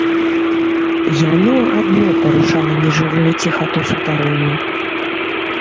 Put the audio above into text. Яно адно парушала нежывую ціхату сутарэння.